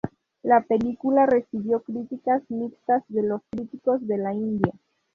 La película recibió críticas mixtas de los críticos de la India.